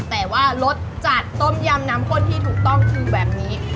แต่ว่ารสจัดต้มยำน้ำข้นที่ถูกต้องคือแบบนี้